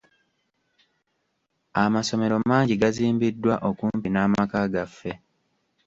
Amasomero mangi gazimbiddwa okumpi n'amaka gaffe.